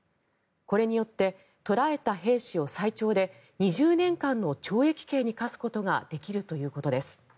これによって捕らえた兵士を最長で２０年間の懲役刑に課すことができるということです。